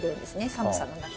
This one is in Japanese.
寒さの中。